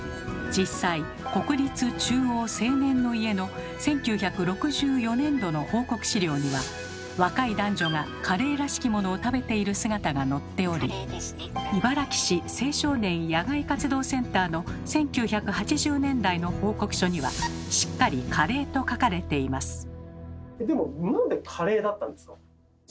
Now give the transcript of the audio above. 実際国立中央青年の家の１９６４年度の報告資料には若い男女がカレーらしきものを食べている姿が載っており茨木市青少年野外活動センターの１９８０年代の報告書にはしっかり「カレー」と書かれています。